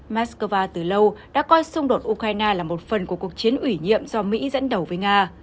mắc cơ va từ lâu đã coi xung đột ukraine là một phần của cuộc chiến ủy nhiệm do mỹ dẫn đầu với nga